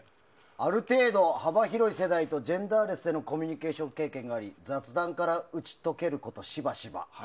ある程度幅広い世代とジェンダーレスでのコミュニケーション経験があり雑談から打ち解けること、しばしば。